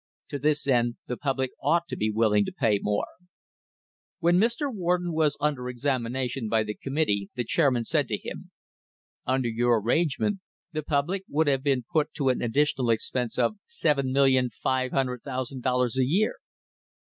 To this end the public ought to be willing to pay more. When Mr. Warden was under examination by the com mittee the chairman said to him: "Under your arrangement, the public would have been put to an additional expense of $7,500,000 a year."